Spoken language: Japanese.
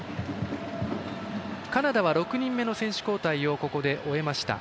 カナダは６人目の選手交代をここで終えました。